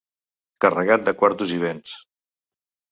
Carregat de quartos i béns.